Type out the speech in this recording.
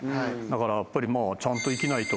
だからやっぱり。